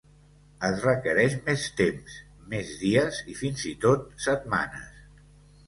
Es requereix més temps, més dies i fins i tot setmanes.